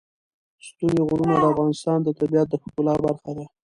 ستوني غرونه د افغانستان د طبیعت د ښکلا برخه ده.